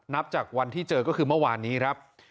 นับจากวันที่เจอก็คือเมื่อวานนี้ครับ